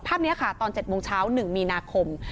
ภาพนี้ค่ะตอน๗โมงเช้า๑มีนาคม